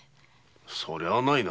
そりゃないな。